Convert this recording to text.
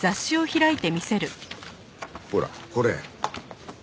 ほらこれ。